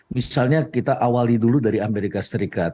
misalnya kita awali dulu dari amerika serikat